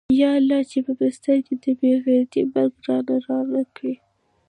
يا الله چې په بستر کې د بې غيرتۍ مرگ راله رانه کې.